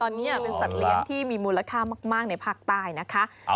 ตอนนี้เป็นสัตว์เลี้ยงที่มีมูลค่ามากในภาคใต้นะคะ